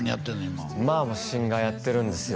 今ＭＡＲもシンガーやってるんですよ